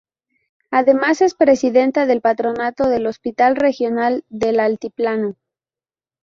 Además es Presidenta del Patronato del Hospital Regional del Altiplano.